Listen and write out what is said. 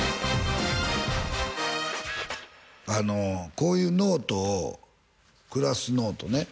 こういうノートをクラスノートね